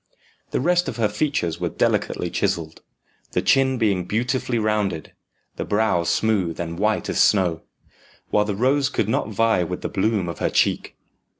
The rest of her features were delicately chiselled: the chin being beautifully rounded, the brow smooth and white as snow, while the rose could not vie with the bloom of her cheek.